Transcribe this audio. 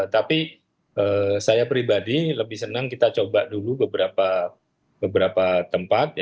tapi saya pribadi lebih senang kita coba dulu beberapa tempat